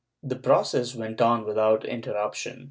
^ The process went on without interruption.